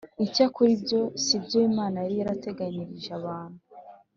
Icyakora ibyo si byo imana yari yarateganyirije abantu